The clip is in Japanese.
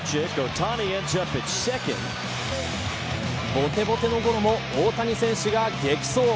ぼてぼてのゴロも大谷選手が激走。